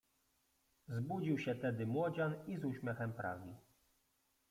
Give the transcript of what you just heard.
Zbudził się tedy młodzian i z uśmiechem prawi: